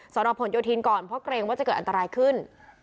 นผลโยธินก่อนเพราะเกรงว่าจะเกิดอันตรายขึ้น